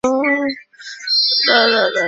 会展中心站位于沙河口区。